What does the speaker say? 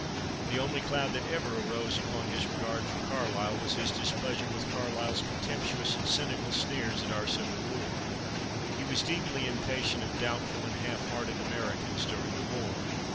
The only cloud that ever arose upon his regard for Carlyle was his displeasure with Carlyle's contemptuous and cynical sneers at our civil war. He was deeply impatient of doubtful and half hearted Americans during the war.